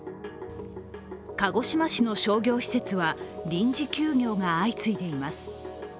鹿児島市の商業施設は臨時休業が相次いでいます。